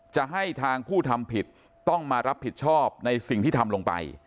จะให้ทางผู้ทำผิดต้องมารับผิดชอบในสิ่งที่ทำลงไป